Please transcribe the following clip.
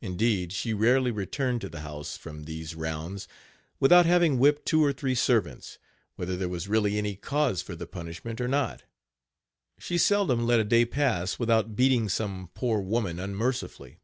Indeed, she rarely returned to the house from these rounds without having whipped two or three servants, whether there was really any cause for the punishment Page 73 or not. She seldom let a day pass without beating some poor woman unmercifully.